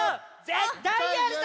ぜったいやるぞ！